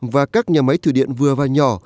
và các nhà máy thủy điện vừa và nhỏ